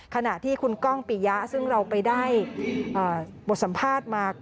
ขณะที่คุณก้องปิยะซึ่งเราไปได้บทสัมภาษณ์มา